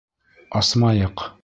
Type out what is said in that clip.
Асмайыҡ!